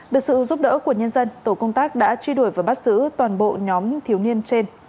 được sự giúp đỡ của nhân dân tổ công tác đã truy đuổi và bắt giữ toàn bộ nhóm thiếu niên trên